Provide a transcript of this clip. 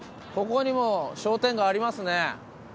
ここにも商店街ありますね。